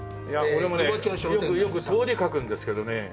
俺もねよく通り描くんですけどね。